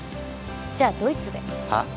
じゃあドイツではっ？